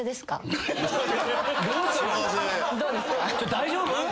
大丈夫？